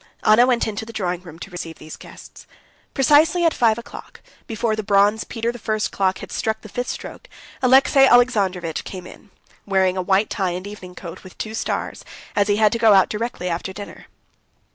Anna went into the drawing room to receive these guests. Precisely at five o'clock, before the bronze Peter the First clock had struck the fifth stroke, Alexey Alexandrovitch came in, wearing a white tie and evening coat with two stars, as he had to go out directly after dinner.